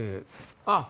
あっ！